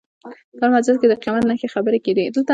په هر مجلس کې د قیامت نښانې خبرې کېدې.